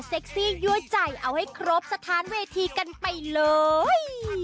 ซี่ยั่วใจเอาให้ครบสถานเวทีกันไปเลย